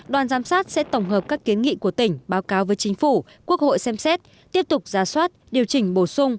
đoàn giám sát sẽ tổng hợp các kiến nghị của tỉnh báo cáo với chính phủ quốc hội xem xét tiếp tục ra soát điều chỉnh bổ sung